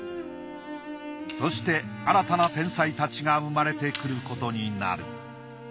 そして新たな天才たちが生まれてくることになる。